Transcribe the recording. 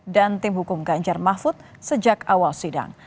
dan tim hukum ganjar mahfud sejak awal sidang